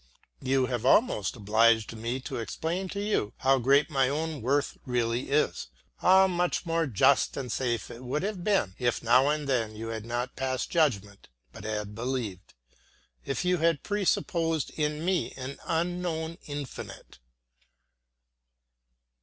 You have almost obliged me to explain to you how great my own worth really is; how much more just and safe it would have been, if now and then you had not passed judgment but had believed; if you had presupposed in me an unknown infinite.